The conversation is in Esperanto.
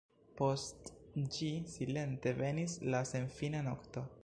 Post ĝi silente venis la senfina nokto.